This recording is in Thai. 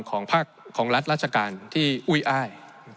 ของรัฐราชการที่อุ้ยอ้าย